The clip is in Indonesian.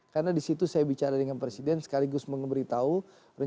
karena di situ saya bicara dengan presiden sekaligus memberitahu rencana